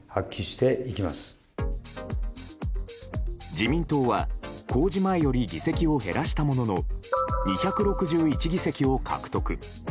自民党は公示前より議席を減らしたものの２６１議席を獲得。